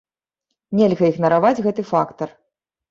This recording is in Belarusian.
Нельга ігнараваць гэты фактар.